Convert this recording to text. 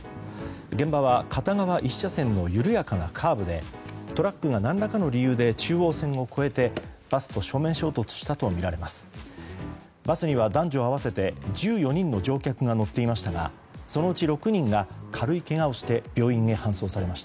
現場は片側１車線の緩やかなカーブでトラックが何らかの理由で中央線を越えてバスと正面衝突したとみられます。